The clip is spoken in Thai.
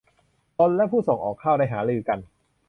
ตนและผู้ส่งออกข้าวได้หารือกัน